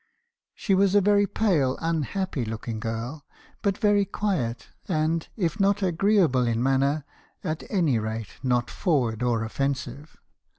She was a very pale, unhappy looking girl , but very quiet, and, if not agreeable in manner, at any rate not forward or offensive.